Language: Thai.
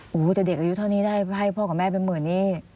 โอ้โหแต่เด็กอายุเท่านี้ได้ให้พ่อกับแม่เป็นหมื่นนี่